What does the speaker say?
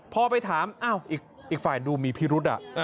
พอไปถามอีกฝ่ายดูมีพิรุษ